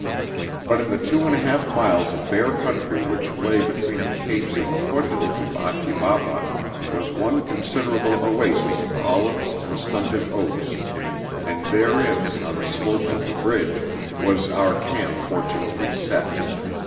But in the two and a half miles of bare country which lay between the capes and the foot hills of Achi Baba was one considerable oasis of olives and stunted oaks, and therein, on the slopes of the bridge, was our camp fortunately set.